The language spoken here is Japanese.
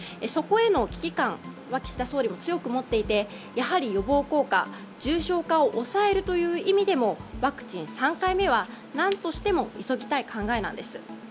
そこへの危機感は岸田総理も強く持っていて、やはり予防効果重症化を抑えるという意味でもワクチン３回目は何としても急ぎたい考えなんです。